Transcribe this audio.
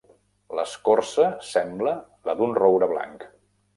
L'escorça sembla la d'un roure blanc.